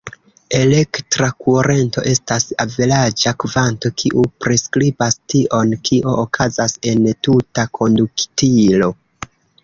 Elektra kurento estas averaĝa kvanto, kiu priskribas tion kio okazas en tuta konduktilo.